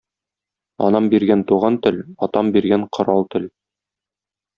Анам биргән туган тел, атам биргән корал тел.